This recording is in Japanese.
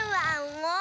もう！